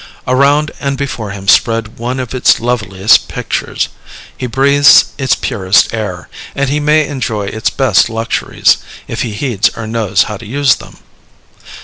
Around and before him spread one of its loveliest pictures; he breathes its purest air; and he may enjoy its best luxuries, if he heeds or knows how to use them.